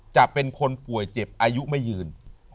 จะเป็นคนป่วยเจ็บอายุไม่ยืน